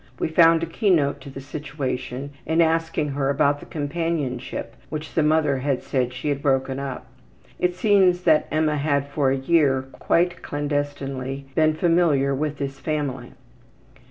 We found a keynote to the situation in asking her about the companionship which the mother had said she had broken up. It seems that Emma had for a year, quite clandestinely, been familiar with this family.